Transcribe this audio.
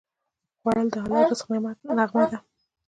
خوړل د حلال رزق نغمه ده